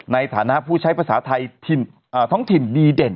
ในฐานะผู้ใช้ภาษาไทยท้องถิ่นดีเด่น